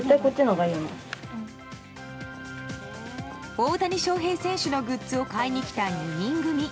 大谷翔平選手のグッズを買いに来た２人組。